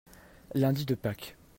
lundi de Pâques.